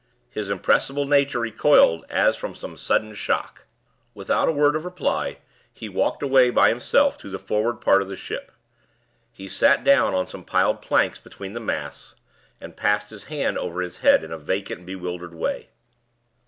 His impressible nature recoiled as from some sudden shock. Without a word of reply, he walked away by himself to the forward part of the ship. He sat down on some piled planks between the masts, and passed his hand over his head in a vacant, bewildered way.